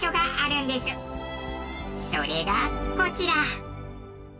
それがこちら。